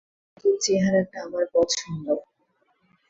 তোমার নতুন চেহারাটা আমার পছন্দ।